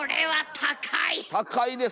はい！